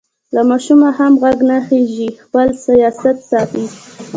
له ماشومه هم غږ نه خېژي؛ خپل سیاست ساتي.